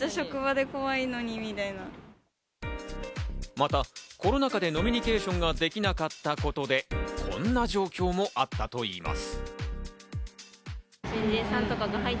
また、コロナ禍で飲みニケーションができなかったことで、こんな状況もあったといいます。